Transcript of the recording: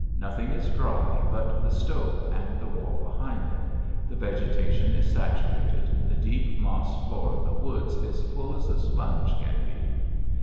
Nothing is dry but the stove and the wall behind it; the vegetation is saturated, the deep moss floor of the woods is full as a sponge can be.